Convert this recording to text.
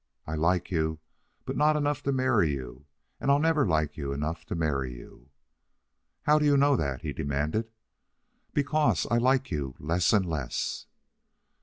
I like you, but not enough to marry you, and I'll never like you enough to marry you." "How do you know that?" he demanded. "Because I like you less and less."